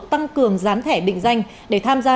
tăng cường gián thẻ định danh để tham gia